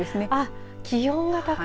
気温が高い。